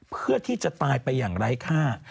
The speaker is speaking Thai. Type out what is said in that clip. เพื่อที่จะตายไปอย่างไร้ค่า